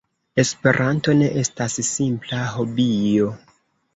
Esperanto ne estas simpla hobio.